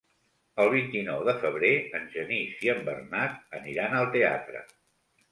El vint-i-nou de febrer en Genís i en Bernat aniran al teatre.